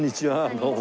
どうも。